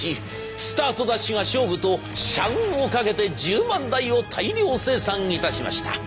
スタートダッシュが勝負と社運をかけて１０万台を大量生産いたしました。